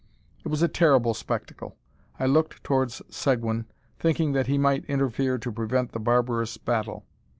It was a terrible spectacle. I looked towards Seguin, thinking that he might interfere to prevent the barbarous battue.